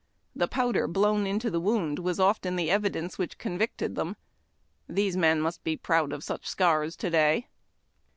The powder blown into the wound was often the evidence which convicted tliem. These men must be proud of such scars to day.